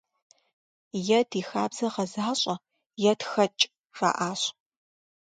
Е ди хабзэ гъэзащӀэ, е тхэкӀ, - жаӀащ.